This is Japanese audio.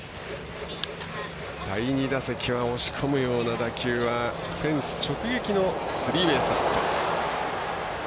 第２打席は押し込むような打球はフェンス直撃のスリーベースヒット。